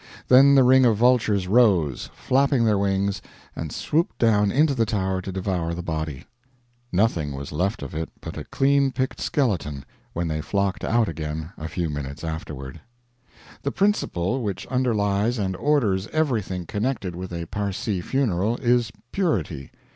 Then the ring of vultures rose, flapping their wings, and swooped down into the Tower to devour the body. Nothing was left of it but a clean picked skeleton when they flocked out again a few minutes afterward. The principle which underlies and orders everything connected with a Parsee funeral is Purity.